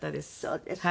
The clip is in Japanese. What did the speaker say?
そうですか。